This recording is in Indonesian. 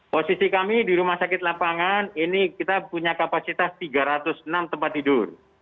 posisi kami di rumah sakit lapangan ini kita punya kapasitas tiga ratus enam tempat tidur